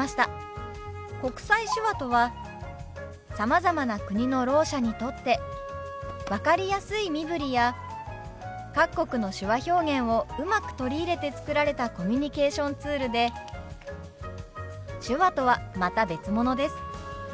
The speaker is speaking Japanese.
国際手話とはさまざまな国のろう者にとって分かりやすい身振りや各国の手話表現をうまく取り入れて作られたコミュニケーションツールで手話とはまた別物です。